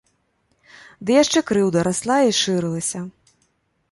Ды яшчэ крыўда расла і шырылася.